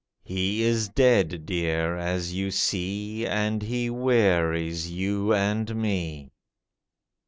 He is dead, dear, as you see, And he wearies you and me.